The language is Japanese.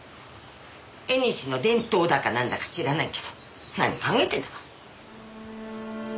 縁の伝統だかなんだか知らないけど何考えてるんだか。